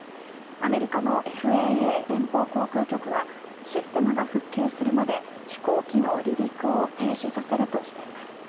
アメリカのＦＡＡ・連邦航空局はシステムが復旧するまで飛行機の離陸を停止させるとしています。